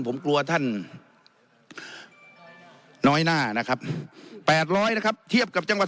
ผมกลัวท่านน้อยหน้านะครับ๘๐๐นะครับเทียบกับจังหวัด